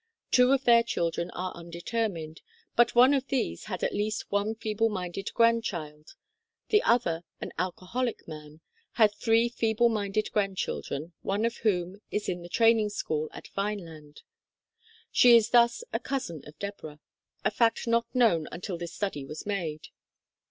Two of their children are undetermined, but one of these had at least one feeble minded grandchild ; the other, an alcoholic man, had three feeble minded grand children, one of whom is in the Training School at Vine land. She is thus a cousin of Deborah a fact not known until this study was made.